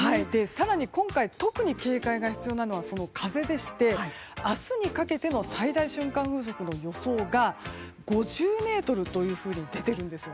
更に今回特に警戒が必要なのは風でして、明日にかけての最大瞬間風速の予想が５０メートルと出ているんです。